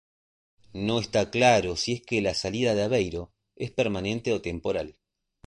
No está claro si es que la salida de Aveiro es permanente o temporal.